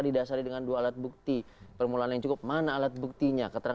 di dasarnya dengan dua alat bukti